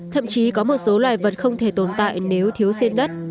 thậm chí có một số loài vật không thể tồn tại nếu thiếu sen đất